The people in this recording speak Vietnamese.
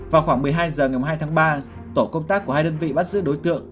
vào khoảng một mươi hai h ngày hai tháng ba tổ công tác của hai đơn vị bắt giữ đối tượng